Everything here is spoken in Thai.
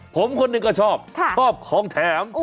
ผมคนหนึ่งก็ชอบชอบของแถม